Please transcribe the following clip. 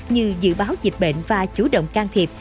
như dự báo dịch bệnh và chủ động can thiệp